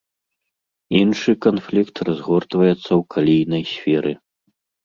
Іншы канфлікт разгортваецца ў калійнай сферы.